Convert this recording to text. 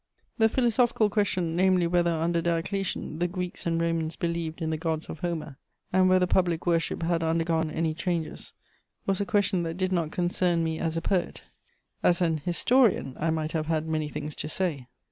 The philosophical question, namely, whether, under Diocletian, the Greeks and Romans believed in the gods of Homer, and whether public worship had undergone any changes, was a question that did not concern me as a poet; as an historian, I might have had many things to say.